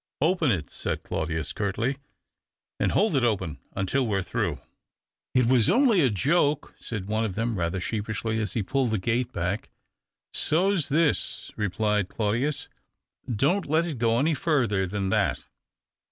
" Open it," said Claudius, curtly, " and hold t open until we're through." " It was only a joke," said one of them ■ather sheepishly, as he pulled the gate jack. " So's this," replied Claudius. " Don't let t go any further than that."